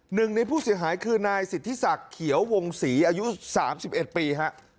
หนึ่งในผู้เสียหายคือนายสิทธิศักดิ์เขียววงศรีอายุ๓๑ปีฮะ